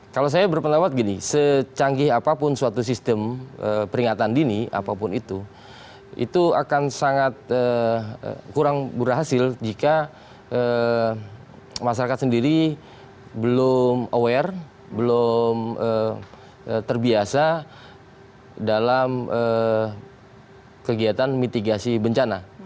kalau saya berpendapat gini secanggih apapun suatu sistem peringatan dini apapun itu itu akan sangat kurang berhasil jika masyarakat sendiri belum aware belum terbiasa dalam kegiatan mitigasi bencana